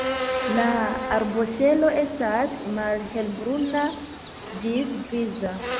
La arboŝelo estas malhelbruna ĝis griza.